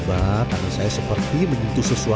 biar tangannya aman kalau enggak kita bisa